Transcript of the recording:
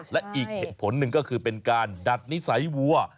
และอีกเหตุผลหนึ่งก็คือเป็นการดัดนิสัยวัว